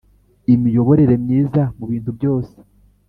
imiyoborere myiza mu bintu byose